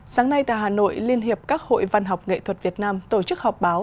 sáng nay tại hà nội liên hiệp các hội văn học nghệ thuật việt nam tổ chức họp báo